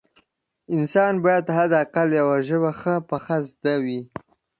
د انسان باید حد اقل یوه ژبه ښه پخه زده وي